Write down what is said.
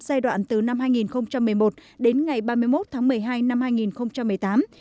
giai đoạn từ năm hai nghìn một mươi một đến ngày ba mươi một tháng một mươi hai năm hai nghìn một mươi tám